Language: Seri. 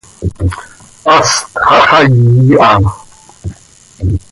Hast xahxaii ha.